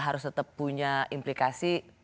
harus tetap punya implikasi